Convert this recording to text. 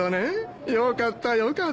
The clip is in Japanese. よかったよかった。